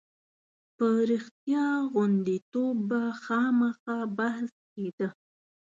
په رښتیا غوندېتوب به خامخا بحث کېده.